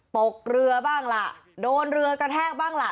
ตกเรือบ้างล่ะโดนเรือกระแทกบ้างล่ะ